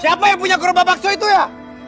siapa yang punya gerobak bakso itu ya